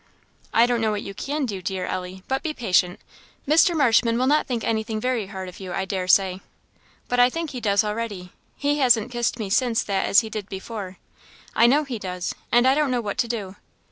"I don't know what you can do, dear Ellie; but be patient Mr. Marshman will not think anything very hard of you, I dare say." "But I think he does already; he hasn't kissed me since that as he did before; I know he does, and I don't know what to do.